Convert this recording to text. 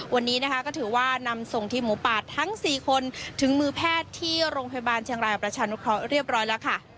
วันนี้นะคะก็ถือว่านำส่งทีมหมูป่าทั้ง๔คนถึงมือแพทย์ที่โรงพยาบาลเชียงรายประชานุเคราะห์เรียบร้อยแล้วค่ะ